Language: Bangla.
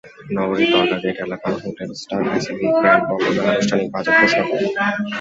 নগরের দরগাগেট এলাকার হোটেল স্টার প্যাসিফিকের গ্র্যান্ড বলরুমে আনুষ্ঠানিক বাজেট ঘোষণা করা হয়।